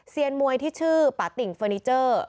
มวยที่ชื่อป่าติ่งเฟอร์นิเจอร์